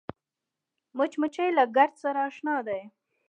مچمچۍ له ګرده سره اشنا ده